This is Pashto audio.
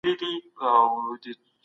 د ښوونځي سامان وساتئ.